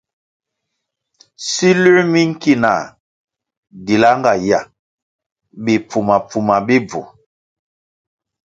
Siluē mi nki na dila nga ya, bipfuma - pfuma bi bvu.